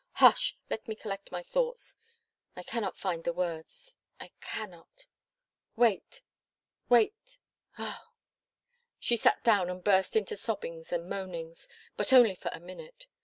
Hush! Let me collect my thoughts. I cannot find the words. I cannot. .. Wait wait! Oh!" She sat down and burst into sobbings and moanings. But only for a minute.